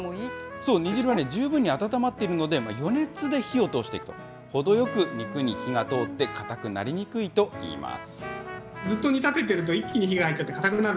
そう、煮汁が十分に温まっているので、余熱で火を通していくと、ほどよく肉に火が通って硬くなりにくいといいます。